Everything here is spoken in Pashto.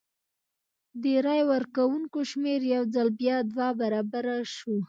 د رای ورکوونکو شمېر یو ځل بیا دوه برابره شو.